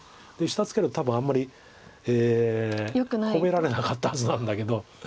下ツケると多分あんまり褒められなかったはずなんだけど。